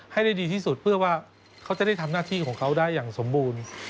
ให้ได้ดีที่สุดเพื่อว่าเขาจะได้ทำหน้าที่ของเขาได้อย่างสมบูรณ์